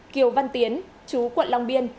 kiều văn tiến chú quận long biên